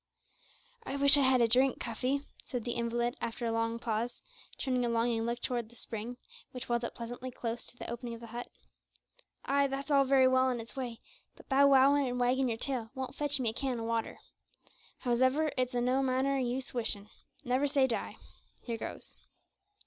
"I wish I had a drink, Cuffy," said the invalid after a long pause, turning a longing look towards the spring, which welled up pleasantly close to the opening of the hut. "Ay, that's all very well in its way, but bow wowin' an' waggin' yer tail won't fetch me a can o' water. Hows'ever, it's o' no manner o' use wishin'. `Never say die.' Here goes."